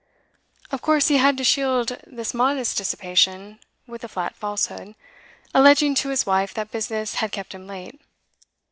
Of course he had to shield this modest dissipation with a flat falsehood, alleging to his wife that business had kept him late.